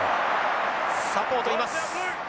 サポートいます。